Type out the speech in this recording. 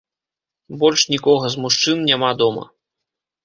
Больш нікога з мужчын няма дома.